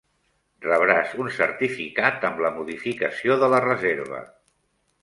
Rebràs un certificat amb la modificació de la reserva.